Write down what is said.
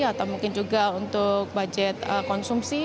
atau mungkin juga untuk budget konsumsi